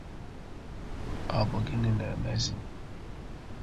ọ bụ gịnị na-emezị?